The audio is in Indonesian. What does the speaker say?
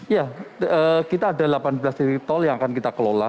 ya kita ada delapan belas titik tol yang akan kita kelola